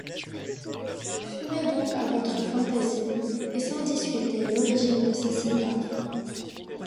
Fumez donc à votre fantaisie, et sans discuter l’origine de ces cigares.